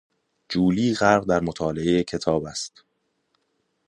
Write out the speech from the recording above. جولی غرق در مطالعهی کتاب است.